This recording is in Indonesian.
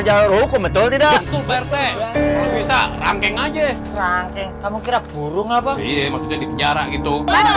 jalan rukun betul tidak bisa rangkeng aja kamu kira burung apa itu